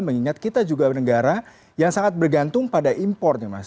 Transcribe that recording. mengingat kita juga negara yang sangat bergantung pada impornya mas